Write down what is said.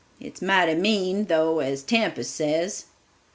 It's mighty mean, though, as 'Tempest' says."